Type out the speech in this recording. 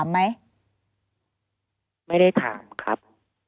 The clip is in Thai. ไหมไม่ได้ถามครับ